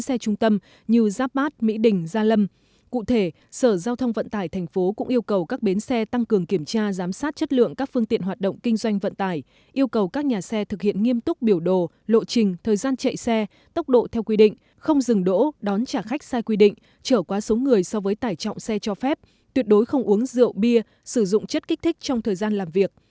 các bến xe trung tâm như giáp bát mỹ đình gia lâm cụ thể sở giao thông vận tải thành phố cũng yêu cầu các bến xe tăng cường kiểm tra giám sát chất lượng các phương tiện hoạt động kinh doanh vận tải yêu cầu các nhà xe thực hiện nghiêm túc biểu đồ lộ trình thời gian chạy xe tốc độ theo quy định không dừng đỗ đón trả khách sai quy định trở quá số người so với tải trọng xe cho phép tuyệt đối không uống rượu bia sử dụng chất kích thích trong thời gian làm việc